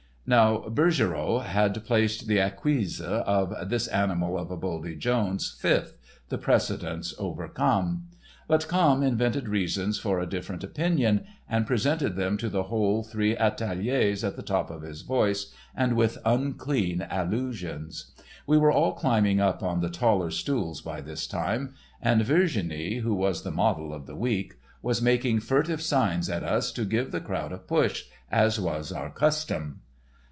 Now, Bouguereau had placed the esquisse of "This Animal of a Buldy Jones" fifth, the precedence over Camme. But Camme invented reasons for a different opinion, and presented them to the whole three ateliers at the top of his voice and with unclean allusions. We were all climbing up on the taller stools by this time, and Virginie, who was the model of the week, was making furtive signs at us to give the crowd a push, as was our custom.